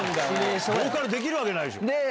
ボーカルできるわけないでしょ！